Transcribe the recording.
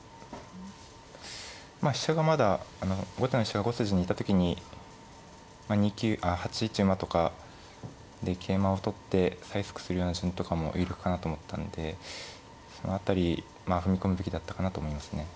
まあ飛車がまだ後手の飛車が５筋にいた時に８一馬とかで桂馬を取って催促するような順とかも有力かなと思ったんでその辺り踏み込むべきだったかなと思いますね。